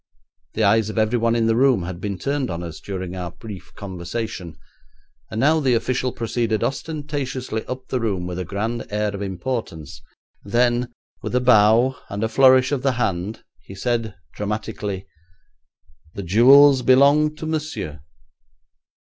The eyes of everyone in the room had been turned on us during our brief conversation, and now the official proceeded ostentatiously up the room with a grand air of importance; then, with a bow and a flourish of the hand, he said, dramatically, 'The jewels belong to Monsieur.'